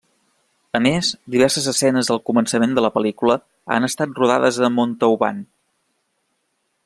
A més, diverses escenes al començament de la pel·lícula han estat rodades a Montauban.